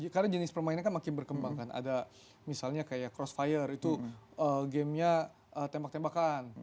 karena jenis permainan kan makin berkembang kan ada misalnya kayak crossfire itu gamenya tembak tembakan